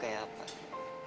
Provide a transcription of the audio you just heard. kondisi kakak itu kayak apa